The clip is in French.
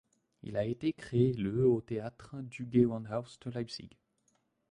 Il a été créé le au théâtre du Gewandhaus de Leipzig.